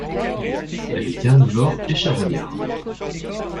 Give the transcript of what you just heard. Elle est carnivore et charognarde.